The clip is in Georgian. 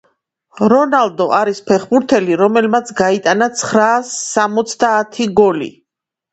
რონალდო არის ფეხბურთელი რომელმაც გაიტანა ცხრაასსამოცდაათი გოლი